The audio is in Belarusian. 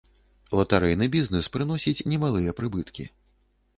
Латарэйны бізнес прыносіць немалыя прыбыткі.